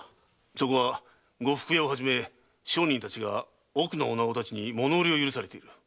そこは呉服屋をはじめ商人たちが奥の女子たちに物売りを許されている。